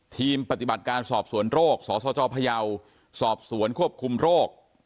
ทีมปฏิบัติการสอบสวนโรคสสจพยาวสอบสวนควบคุมโรค